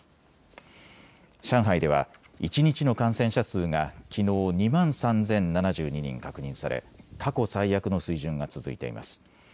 上海では一日の感染者数がきのう２万３０７２人確認され過去最悪の水準が続いています。